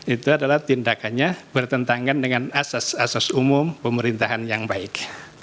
itu adalah tindakannya bertentangan dengan asas asas umum pemerintahan yang baik